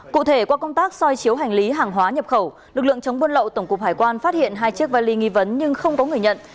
cụ thể qua công tác soi chiếu hành lý hàng hóa nhập khẩu lực lượng chống buôn lậu tổng cục hải quan phát hiện hai chiếc vali nghi vấn nhưng không có người nhận